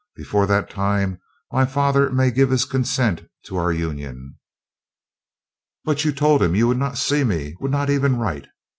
Before that time my father may give his consent to our union." "But you told him you would not see me, would not even write.